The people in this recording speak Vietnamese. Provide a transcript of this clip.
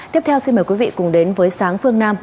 tiếp theo xin mời quý vị cùng đến với sáng phương nam